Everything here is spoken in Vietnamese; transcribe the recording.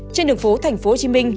trên đường phố thành phố hồ chí minh